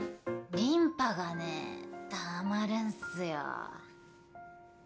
リンパがねたまるんすよ。